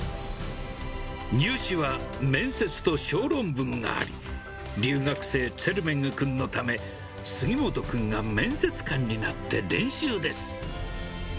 入試は面接と小論文があり、留学生ツェルメグ君のため、杉本君が面接官になって練習です。